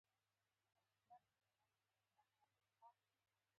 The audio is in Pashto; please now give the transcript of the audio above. مونږ مختلف یو